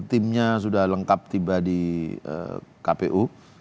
timnya sudah lengkap tiba di kpu